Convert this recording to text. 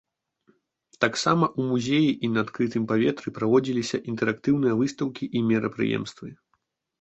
Таксама ў музеі і на адкрытым паветры праводзіліся інтэрактыўныя выстаўкі і мерапрыемствы.